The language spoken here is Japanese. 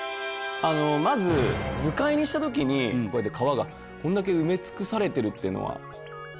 まず図解にした時にこうやって川がこれだけ埋め尽くされてるっていうのは知らなかったですし。